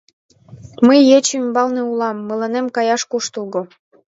Мый ече ӱмбалне улам, мыланем каяш куштылго.